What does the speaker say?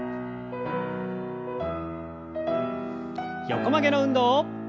横曲げの運動。